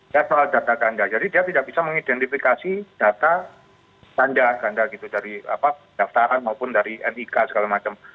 ya soal data ganda jadi dia tidak bisa mengidentifikasi data tanda ganda gitu dari daftaran maupun dari nik segala macam